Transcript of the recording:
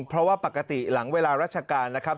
เพราะว่าปกติหลังเวลาราชการนะครับ